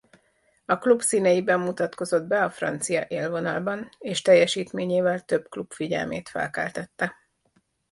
A klub színeiben mutatkozott be a francia élvonalban és teljesítményével több klub figyelmét felkeltette.